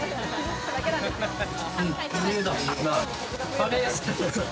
カレーだ。